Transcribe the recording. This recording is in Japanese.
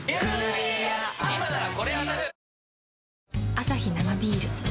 アサヒ生ビール